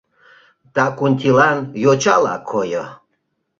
Дакунтилан йочала койо